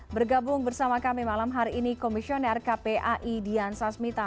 bergabung bersama kami malam hari ini komisioner kpai dian sasmita